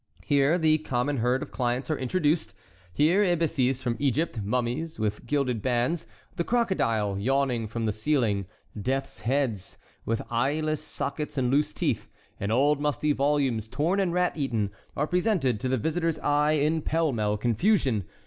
Here the common herd of clients are introduced; here ibises from Egypt; mummies, with gilded bands; the crocodile, yawning from the ceiling; death's heads, with eyeless sockets and loose teeth; and old musty volumes, torn and rat eaten, are presented to the visitor's eye in pellmell confusion.